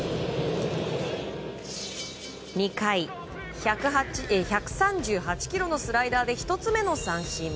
２回、１３８キロのスライダーで１つ目の三振。